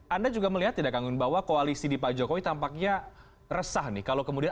anda juga melihat tidak kang gun bahwa koalisi di pak jokowi tampaknya resah nih kalau kemudian